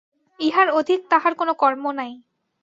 ইহার অধিক তাঁহার কোনো কর্ম নাই।